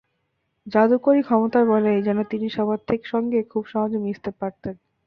জাদুকরি ক্ষমতার বলেই যেন তিনি সবার সঙ্গে খুব সহজে মিশতে পারতেন।